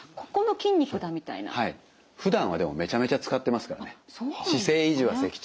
ふだんはでもめちゃめちゃ使ってますからね。